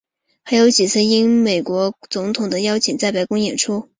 还有几次应美国总统的邀请在白宫演出。